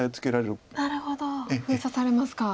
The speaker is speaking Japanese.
なるほど封鎖されますか。